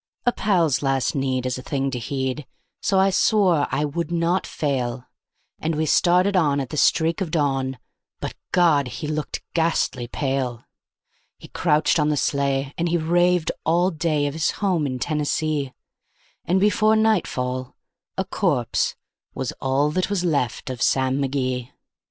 A pal's last need is a thing to heed, so I swore I would not fail; And we started on at the streak of dawn; but God! he looked ghastly pale. He crouched on the sleigh, and he raved all day of his home in Tennessee; And before nightfall a corpse was all that was left of Sam McGee.